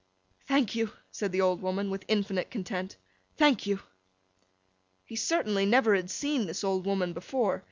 'Thank you!' said the old woman, with infinite content. 'Thank you!' He certainly never had seen this old woman before.